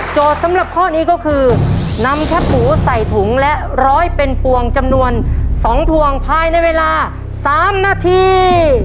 สำหรับข้อนี้ก็คือนำแคบหมูใส่ถุงและร้อยเป็นพวงจำนวน๒พวงภายในเวลา๓นาที